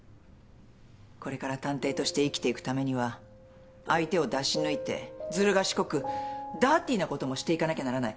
これから探偵として生きていくためには相手を出し抜いてずる賢くダーティーなこともしていかなきゃならない。